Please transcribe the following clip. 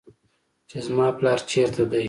چې زما پلار چېرته دى.